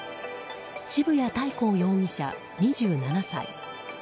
渋谷大皇容疑者、２７歳。